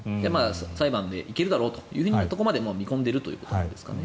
裁判で行けるだろうと見込んでいるということですかね。